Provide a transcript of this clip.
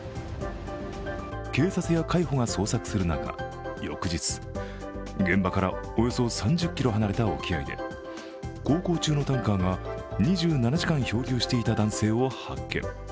警察や海保が捜索する中、翌日、現場からおよそ３０ｋｍ離れた沖合で航行中のタンカーが２７時間漂流していた男性を発見。